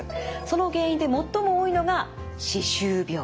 その原因で最も多いのが歯周病。